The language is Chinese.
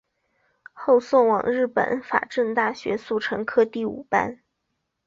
后送往日本法政大学速成科第五班。